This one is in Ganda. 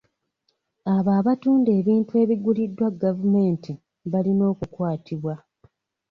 Abo abatunda ebintu ebiguliddwa gavumenti balina okukwatibwa.